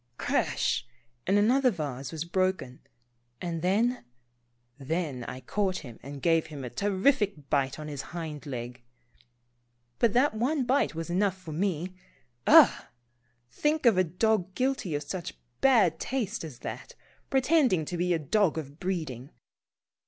" Crash," and another vase was broken, and then — then, I caught him and gave him a terrific bite on his hind leg. But that one bite was enough for me. Ugh ! Think of a dog guilty of such bad taste as that, pretending to be a dog of breeding.